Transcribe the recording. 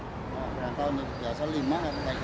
lepas penumpang biasa lima